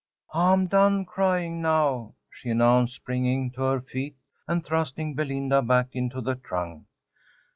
"I'm done crying now," she announced, springing to her feet and thrusting Belinda back into the trunk.